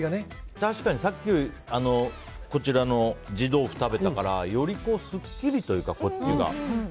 確かにさっき地豆腐食べたからよりすっきりというか、こっちが。